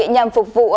nhằm phục vụ